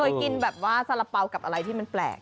เคยกินแบบว่าสาระเป๋ากับอะไรที่มันแปลก